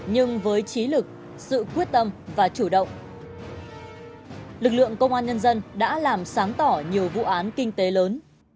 nhưng với trí lực sự quyết tâm và chủ động lực lượng công an nhân dân đã làm sáng tỏ nhiều vụ án kinh tế lớn